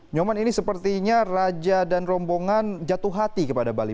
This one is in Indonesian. nyoman ini sepertinya raja dan rombongan jatuh hati kepada bali